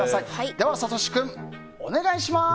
では、サトシ君お願いします。